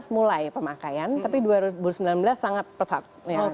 dua ribu delapan belas mulai pemakaian tapi dua ribu sembilan belas sangat pesat